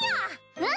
うん！